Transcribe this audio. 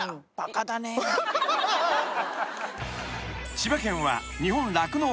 ［千葉県は］